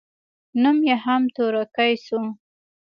نوم يې هم تورکى سو.